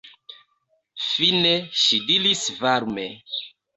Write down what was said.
Fine ŝi diris varme: